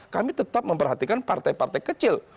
kami tetap memperhatikan partai partai kecil